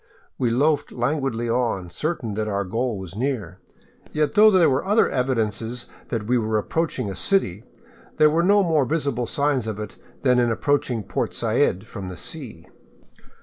We loafed languidly on, certain that our goal was near, yet though there were other evidences that we were approaching a city, there were no more visible signs of it than ia approaching Port Said from the sea.